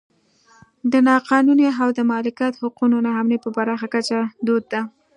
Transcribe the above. نا قانوني او د مالکیت حقونو نا امني په پراخه کچه دود ده.